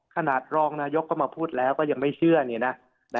ขนาดรองนายกก็มาพูดแล้วก็ยังไม่เชื่อเนี่ยนะ